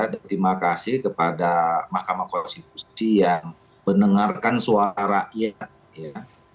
terima kasih kepada mahkamah konstitusi yang mendengarkan suara iya